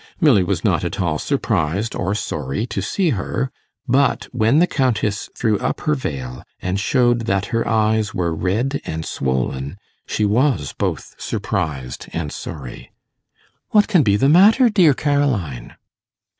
Milly was not at all surprised or sorry to see her; but when the Countess threw up her veil, and showed that her eyes were red and swollen, she was both surprised and sorry. 'What can be the matter, dear Caroline?